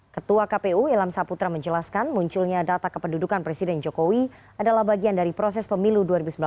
ketua kpu ilham saputra menjelaskan munculnya data kependudukan presiden jokowi adalah bagian dari proses pemilu dua ribu sembilan belas